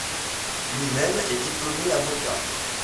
Lui-même est diplômé avocat.